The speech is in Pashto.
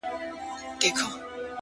هغې ويل په پوري هـديــره كي ښخ دى ـ